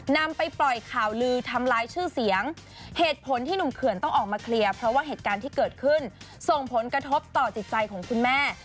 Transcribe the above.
นำไปปล่อยข่าวลือทำลายชื่อเสียงเหตุผลที่หนุ่มเขื่อนต้องออกมาเคลียร์เพราะว่าเหตุการณ์ที่เกิดขึ้นส่งผลกระทบต่อจิตใจของคุณแม่